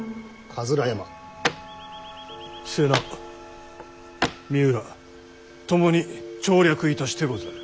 瀬名三浦ともに調略いたしてござる。